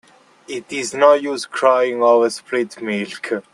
It is no use crying over spilt milk.